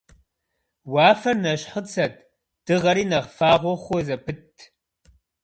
Уафэр нэщхъыцэт, дыгъэри нэхъ фагъуэ хъу зэпытт.